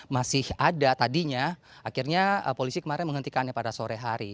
masih ada tadinya akhirnya polisi kemarin menghentikannya pada sore hari